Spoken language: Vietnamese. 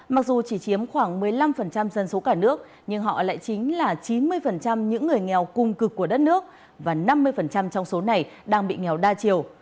mặc dù chỉ chiếm khoảng một mươi năm dân số cả nước nhưng họ lại chính là chín mươi những người nghèo cung cực của đất nước và năm mươi trong số này đang bị nghèo đa chiều